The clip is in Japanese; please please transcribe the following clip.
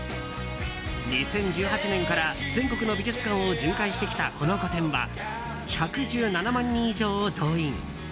２０１８年から全国の美術館を巡回してきたこの個展は１１７万人以上を動員。